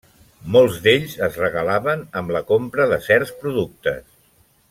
Molts d'ells es regalaven amb la compra de certs productes.